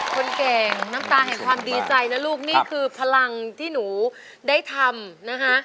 คนเก่งน้ำตาแห่งความดีใจนะลูกนี่คือพลังที่หนูได้ทำนะคะ